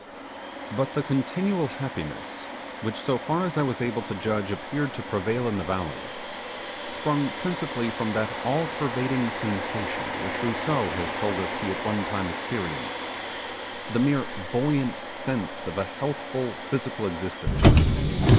But the continual happiness, which so far as I was able to judge appeared to prevail in the valley, sprang principally from that all pervading sensation which Rousseau has told us be at one time experienced, the mere buoyant sense of a healthful physical existence.